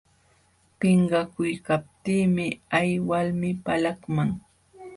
Pinqakuykaptiimi hay walmi palaqman.